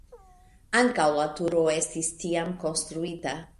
Ankaŭ la turo estis tiam konstruita.